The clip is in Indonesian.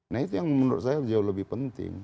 nah itu yang menurut saya jauh lebih penting